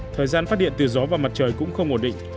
thời gian phát điện từ gió và mặt trời cũng không ổn định